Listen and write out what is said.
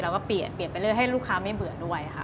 เปลี่ยนเปลี่ยนไปเรื่อยให้ลูกค้าไม่เบื่อด้วยค่ะ